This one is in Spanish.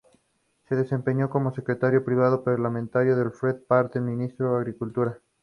En la cuajada se produce la coagulación enzimática.